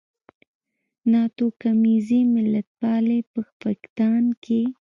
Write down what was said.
ناتوکمیزې ملتپالنې په فقدان کې.